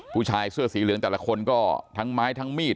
ผู้ชายเสื้อสีเหลืองแต่ละคนก็ทั้งไม้ทั้งมีด